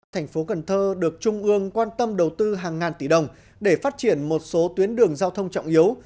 thành phố cần thơ được trung ương quan tâm đầu tư hàng ngàn tỷ đồng để phát triển một số tuyến đường giao thông trọng yếu